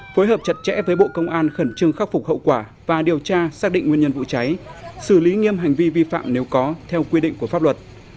phối hợp chặt chẽ với bộ công an khẩn trương khắc phục hậu quả và điều tra xác định nguyên nhân vụ cháy xử lý nghiêm hành vi vi phạm nếu có theo quy định của pháp luật